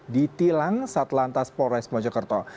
ditilang satlantas polres mojokerto